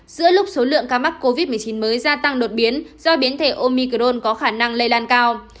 giữa lúc số lượng ca mắc covid một mươi chín mới gia tăng đột biến do biến thể omicron có khả năng lây lan cao